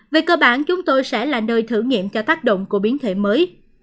về cơ bản chúng tôi sẽ là nơi thử nghiệm cho tác động của biến thể mới